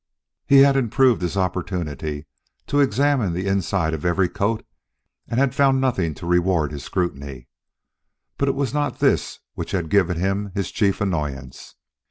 He had improved his opportunity to examine the inside of every coat and had found nothing to reward his scrutiny. But it was not this which had given him his chief annoyance.